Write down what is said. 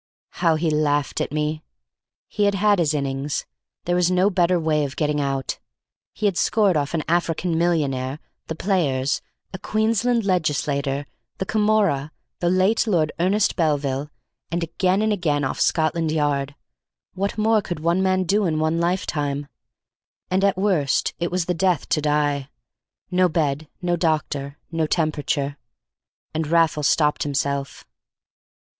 How he laughed at me! He had had his innings; there was no better way of getting out. He had scored off an African millionaire, the Players, a Queensland Legislator, the Camorra, the late Lord Ernest Belville, and again and again off Scotland Yard. What more could one man do in one lifetime? And at the worst it was the death to die: no bed, no doctor, no temperature—and Raffles stopped himself.